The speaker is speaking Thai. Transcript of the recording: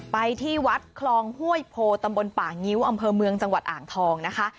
ไปที่วัดคลองห้วยโพตำบลป่างิ้วอำเภอเมืองจังหวัดอ่างทองนะคะ